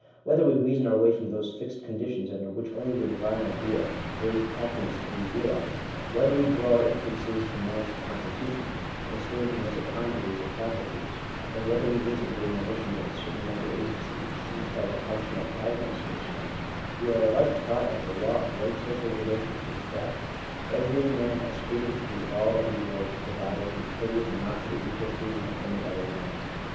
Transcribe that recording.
Whether we reason our way from those fixed conditions under which only the Divine Idea — greatest happiness, can be re alized — whether we draw our inferences from man's consti tution, considering him as a congeries of faculties — or whether we listen to the monitions of a certain mental agency, which seems to have the function of guiding us in this matter, we are alike taught as the law of right social relationships, that — Every man has freedom to do all that he wills, provided he J infringes not the equal freedom of any other man.